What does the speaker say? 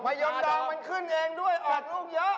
ยมดังมันขึ้นเองด้วยอัดลูกเยอะ